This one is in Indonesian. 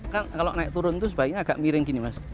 kan kalau naik turun itu sebaiknya agak miring gini mas